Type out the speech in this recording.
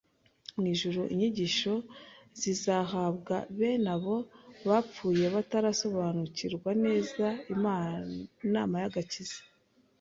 mu ijuru inyigisho zizahabwa bene abo bapfuye batarasobanukirwa neza inama y’agakiza